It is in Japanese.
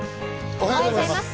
おはようございます。